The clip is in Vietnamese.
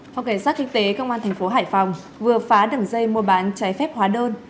phòng cảnh sát kinh tế công an tp hcm vừa phá đường dây mua bán trái phép hóa đơn